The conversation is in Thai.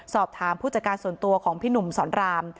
สอบถามผู้จัดการส่วนตัวของพี่หนุ่มสอนราม